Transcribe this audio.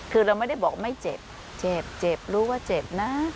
คือเราไม่ได้บอกไม่เจ็บเจ็บเจ็บรู้ว่าเจ็บนะ